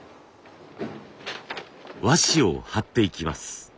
和紙を貼っていきます。